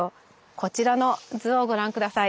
こちらの図をご覧下さい。